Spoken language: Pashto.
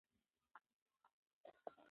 ما پرون د فوټبال په اړه یو کتاب ولوست.